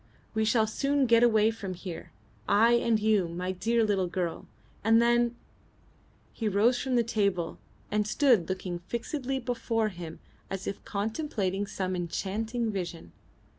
We shall soon get away from here, I and you, my dear little girl, and then " He rose from the table and stood looking fixedly before him as if contemplating some enchanting vision.